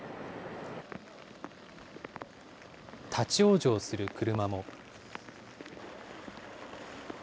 立往生する車も。